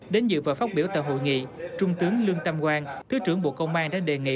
đến dự và phát biểu tại hội nghị trung tướng lương tam quang thứ trưởng bộ công an đã đề nghị